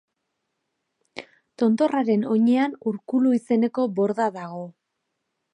Tontorraren oinean Urkulu izeneko borda dago.